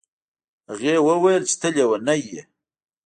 هغې وویل چې ته لیونی یې.